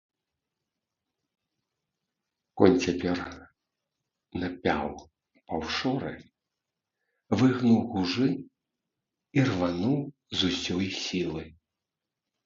Конь цяпер напяў паўшоры, выгнуў гужы і рвануў з усёй сілы.